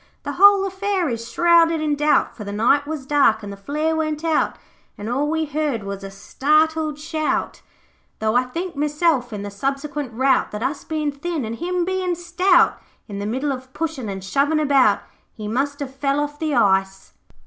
The whole affair is shrouded in doubt, For the night was dark and the flare went out, And all we heard was a startled shout, Though I think meself, in the subsequent rout, That us bein' thin, an' him bein' stout, In the middle of pushin' an' shovin' about, He MUST HAVE FELL OFF THE ICE.'